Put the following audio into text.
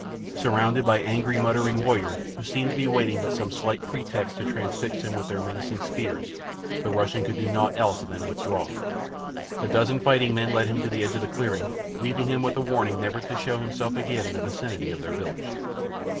Surrounded by angry, muttering warriors who seemed to be but waiting some slight pretext to transfix him with their menacing spears the Russian could do naught else than withdraw. A dozen fighting men led him to the edge of the clearing, leaving him with a warning never to show himself again in the vicinity of their village.